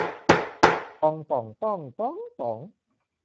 ปอง ป่อง ป้อง บ๊อง ป๋อง